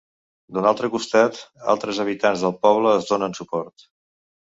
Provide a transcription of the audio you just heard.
D'un altre costat, altres habitants del poble els donem suport.